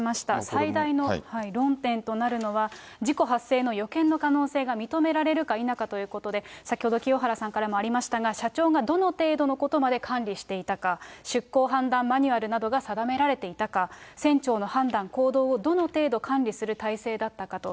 最大の論点となるのは、事故発生の予見の可能性が認められるか否かということで、先ほど、清原さんからもありましたが、社長がどの程度のことまで管理していたか、出航判断マニュアルなどが定められていたか、船長の判断、行動をどの程度管理する体制だったかと。